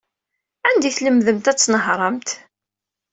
Anda ay tlemdemt ad tnehṛemt?